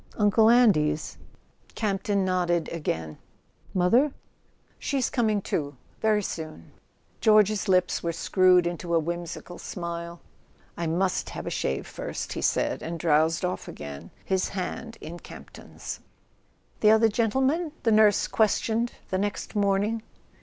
"Uncle Andy's?" Campton nodded again. "Mother ?" "She's coming too—very soon." George's lips were screwed into a whimsical smile. "I must have a shave first," he said, and drowsed off again, his hand in Campton's. .. "The other gentleman—?" the nurse questioned the next morning.